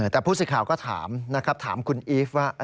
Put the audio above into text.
แต่ผู้สื่อข่าวก็ถามนะครับถามคุณอีฟว่า